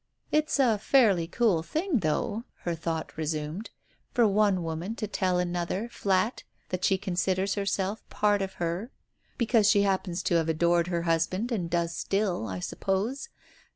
"It's a fairly cool thing, though," her thought resumed, "for one woman to tell another, flat, that she considers herself ^part of her because she happens to have adored her husband and does still, I suppose.